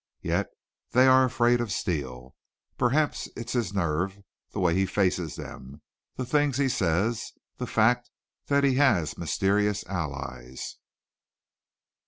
Yet they are afraid of Steele. Perhaps it's his nerve, the way he faces them, the things he says, the fact that he has mysterious allies."